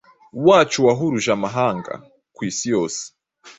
wacu wahuruje amahanga.kwisi yose